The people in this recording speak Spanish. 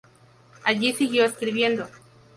Allí siguió escribiendo.